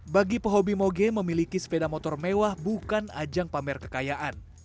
bagi pehobi moge memiliki sepeda motor mewah bukan ajang pamer kekayaan